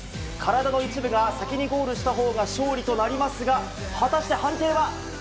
体の一部が先にゴールしたほうが勝利となりますが、果たして判定は？